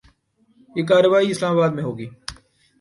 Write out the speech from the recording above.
یہ کارروائی اسلام آباد میں ہو گی۔